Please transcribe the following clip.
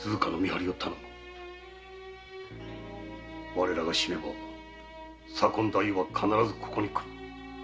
我らが死ねば左近大夫は必ずここに来る。